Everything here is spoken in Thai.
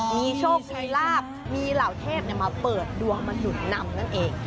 มีโชคมีลาบมีเหล่าเทพมาเปิดดวงมาหนุนนำนั่นเอง